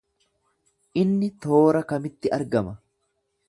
Inni toora kamitti argama?